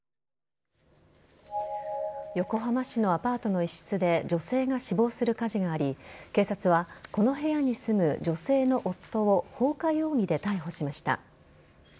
横浜市のアパートの一室で女性が死亡する火事があり警察はこの部屋に住む女性の夫を放火容疑で逮捕しました。